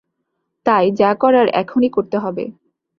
তাই যা করার এখনই করতে হবে।